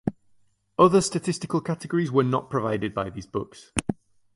Other statistical categories were not provided by these books.